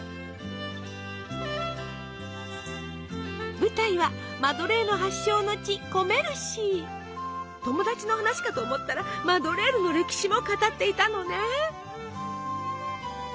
舞台はマドレーヌ発祥の地友達の話かと思ったらマドレーヌの歴史も語っていたのね。